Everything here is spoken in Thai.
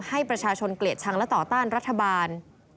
ให้ประชาชนเกลียดชังและต่อต้านรัฐบาล